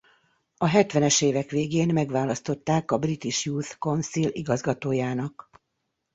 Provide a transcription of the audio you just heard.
A hetvenes évek végén megválasztották a British Youth Council igazgatójának.